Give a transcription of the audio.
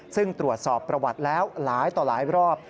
ซึ่งตรวจสอบประวัติแล้วหลายต่อหลายรอบ